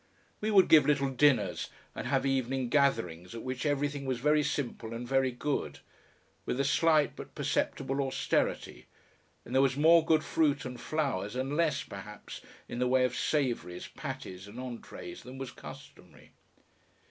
We would give little dinners and have evening gatherings at which everything was very simple and very good, with a slight but perceptible austerity, and there was more good fruit and flowers and less perhaps in the way of savouries, patties and entrees than was customary.